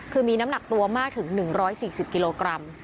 คือมีน้ำหนักตัวมากถึง๑๔๐กิโลกรัม